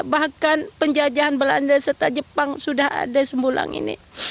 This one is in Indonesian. bahkan penjajahan belanda serta jepang sudah ada sembulang ini